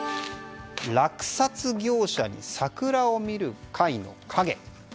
落札業者に桜を見る会の影。